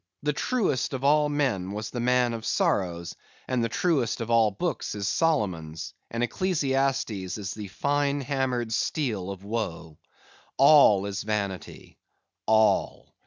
The truest of all men was the Man of Sorrows, and the truest of all books is Solomon's, and Ecclesiastes is the fine hammered steel of woe. "All is vanity." ALL.